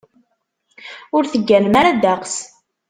Ur tegganem ara ddeqs.